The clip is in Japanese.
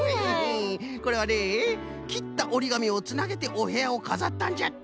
これはねきったおりがみをつなげておへやをかざったんじゃって。